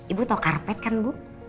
ibu tahu karpet kan bu